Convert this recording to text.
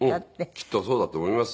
きっとそうだと思います。